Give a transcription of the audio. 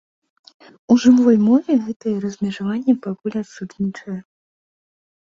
У жывой мове гэта размежаванне пакуль адсутнічае.